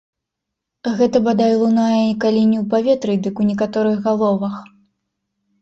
А гэта, бадай, лунае калі не ў паветры, дык у некаторых галовах.